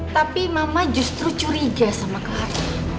tapi mama justru curiga sama kehat